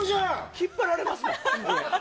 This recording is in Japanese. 引っ張られますわ。